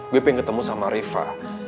gue pengen ketemu sama riva